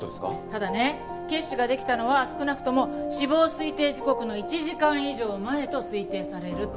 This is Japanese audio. ただね血腫ができたのは少なくとも死亡推定時刻の１時間以上前と推定されるって。